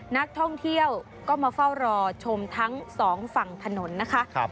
นักท่องเที่ยวก็มาเฝ้ารอชมทั้งสองฝั่งถนนนะคะ